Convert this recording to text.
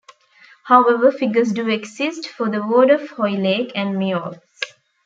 However figures do exist for the ward of Hoylake and Meols.